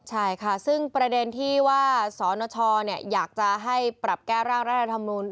ใช่ค่ะซึ่งประเด็นที่ว่าสนชอยากจะให้ปรับแก้ร่างรัฐธรรมนูล